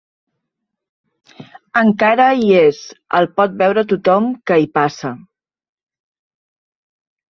Encara hi és, el pot veure tothom que hi passa.